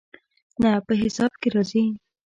نه، په حساب کې راځي